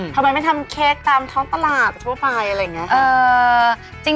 ทำไมไม่ทำเค้กตามท้องตลาดทั่วไปอะไรอย่างนี้